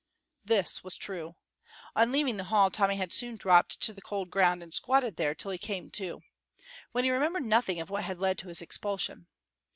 This was true. On leaving the hall Tommy had soon dropped to the cold ground and squatted there till he came to, when he remembered nothing of what had led to his expulsion.